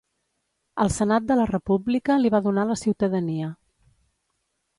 El senat de la república li va donar la ciutadania.